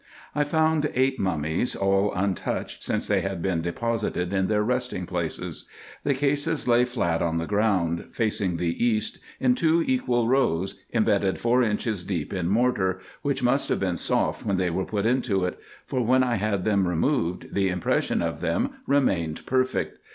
I found eight mummies, all untouched since they had been de posited in their resting place. The cases lay flat on the ground, facing the east, in two equal rows, imbedded four inches deep in mortar, which must have been soft when they were put into it ; for when I had them removed the impression of them remained perfect.